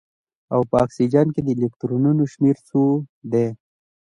او په اکسیجن کې د الکترونونو شمیر څو دی